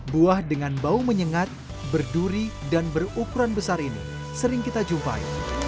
buah dengan bau menyengat berduri dan berukuran besar ini sering kita jumpai